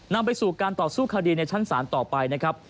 นำไปสู่การต่อสู้คดีในชั้นศาลต่อไปนะครับ